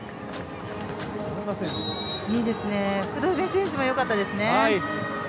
いいですね、福留選手もよかったですね。